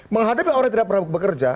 menghadapi orang tidak pernah bekerja